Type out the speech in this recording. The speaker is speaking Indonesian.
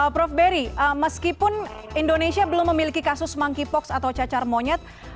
prof berry meskipun indonesia belum memiliki kasus monkeypox atau cacar monyet